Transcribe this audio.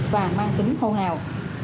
và mang tính hồn ào